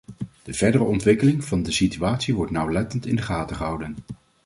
De verdere ontwikkeling van de situatie wordt nauwlettend in de gaten gehouden.